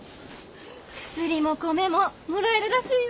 薬も米ももらえるらしいよ。